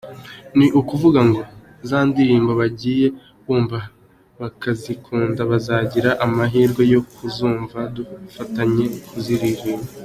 Ni ukuvuga ngo za ndirimbo bagiye bumva bakazikunda, bazagira amahirwe yo kuzumva, dufatanye kuziririmba.